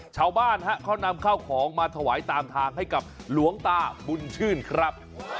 ชาวบ้านเขานำข้าวของมาถวายตามทางให้กับหลวงตาบุญชื่นครับ